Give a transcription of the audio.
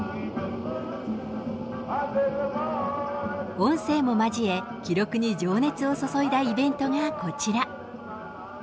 音声も交え記録に情熱を注いだイベントがこちら。